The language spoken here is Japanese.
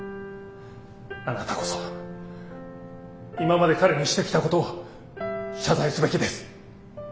あなたこそ今まで彼にしてきたことを謝罪すべきです。